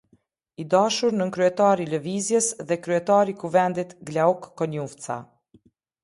I dashur nënkryetar i Lëvizjes dhe kryetar i Kuvendit, Glauk Konjufca.